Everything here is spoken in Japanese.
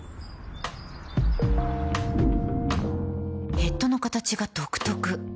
ヘッドの形が独特